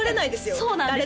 そうなんですよ